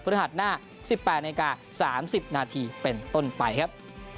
ฤหัสหน้า๑๘นาที๓๐นาทีเป็นต้นไปครับ